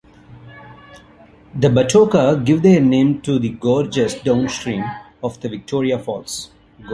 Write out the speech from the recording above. The Batoka give their name to the gorges downstream of the Victoria Falls.